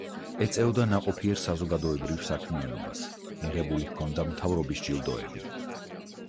ეწეოდა ნაყოფიერ საზოგადოებრივ საქმიანობას, მიღებული ჰქონდა მთავრობის ჯილდოები.